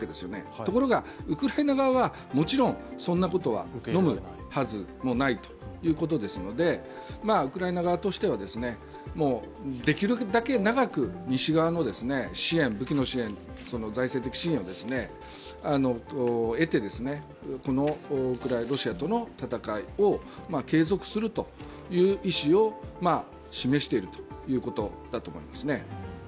ところがウクライナ側は、もちろんそんなことはのむはずもないということですので、ウクライナ側としてはできるだけ長く西側の武器の支援、財政的支援を得て、ロシアとの戦いを継続するという意思を示しているということだと思います。